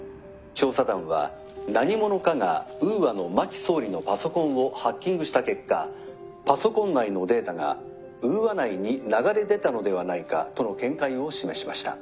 調査団は何者かがウーアの真木総理のパソコンをハッキングした結果パソコン内のデータがウーア内に流れ出たのではないかとの見解を示しました」。